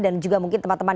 dan juga mungkin teman teman